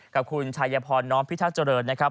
กับคุณชายพรน้อมพิทักษ์เจริญนะครับ